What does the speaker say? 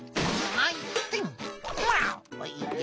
はい。